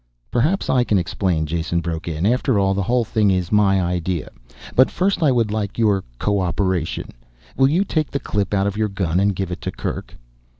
"Perhaps I can explain," Jason broke in. "After all the whole thing is my idea. But first I would like your co operation. Will you take the clip out of your gun and give it to Kerk?"